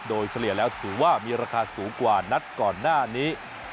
โดยเฉลี่ยแล้วถือว่ามีราคาสูงกว่านัดก่อนหน้านี้